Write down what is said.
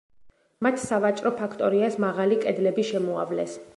მათ სავაჭრო ფაქტორიას მაღალი კედლები შემოავლეს.